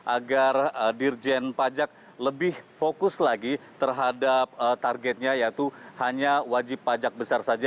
agar dirjen pajak lebih fokus lagi terhadap targetnya yaitu hanya wajib pajak besar saja